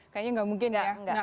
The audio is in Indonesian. kayaknya nggak mungkin ya